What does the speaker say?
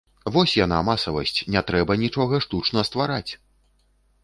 Вось яна, масавасць, не трэба нічога штучна ствараць!